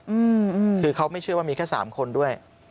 อืมคือเขาไม่เชื่อว่ามีแค่สามคนด้วย